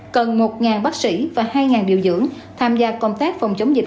cần một bác sĩ và hai điều dưỡng tham gia công tác phòng chống dịch